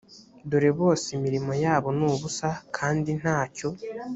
dore bose imirimo yabo ni ubusa kandi nta cyo